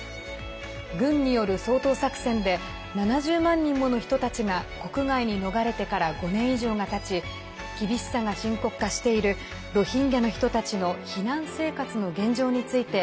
軍による掃討作戦で７０万人もの人たちが国外に逃れてから５年以上がたち厳しさが深刻化しているロヒンギャの人たちの避難生活の現状についてお伝えします。